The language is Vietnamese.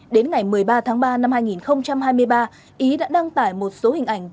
đến ngày một mươi ba tháng ba năm hai nghìn hai mươi ba ý đã đăng tải một số hình ảnh